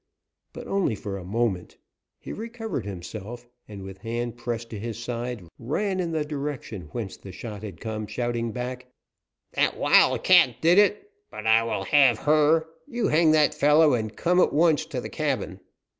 But only for a moment; he recovered himself, and, with hand pressed to his side, ran in the direction whence the shot had come, shouting back: "That wildcat did it! But I will have her; you hang that fellow and come at once to the cabin."